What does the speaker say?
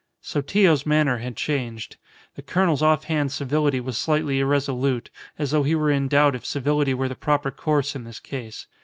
Sotillo's manner had changed. The colonel's off hand civility was slightly irresolute, as though he were in doubt if civility were the proper course in this case.